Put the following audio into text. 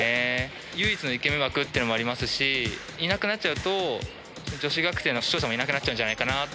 唯一のイケメン枠っていうのもありますし、いなくなっちゃうと、女子学生の視聴者もいなくなっちゃうんじゃないかなって。